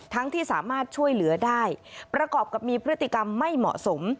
ที่สามารถช่วยเหลือได้ประกอบกับมีพฤติกรรมไม่เหมาะสม